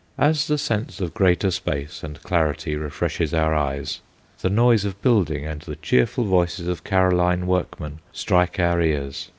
As the sense of greater space and clarity refreshes our eyes, the noise of building and the cheerful voices of Caroline workmen strike our ears.